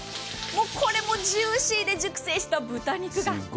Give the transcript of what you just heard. これもジューシーで熟成した豚肉が。